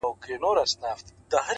ساقي خراب تراب مي کړه نڅېږم به زه؛